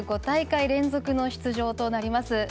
５大会連続の出場となります。